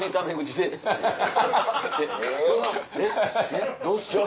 「えっえっどうしよう」。